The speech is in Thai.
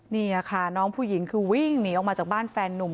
นี่ค่ะน้องผู้หญิงคือวิ่งหนีออกมาจากบ้านแฟนนุ่ม